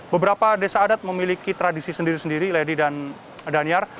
beberapa desa adat memiliki tradisi sendiri sendiri lady dan daniar